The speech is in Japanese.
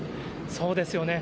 そうですよね。